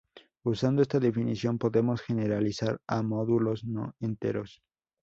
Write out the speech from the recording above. Usando esta definición, podemos generalizar a módulos no enteros.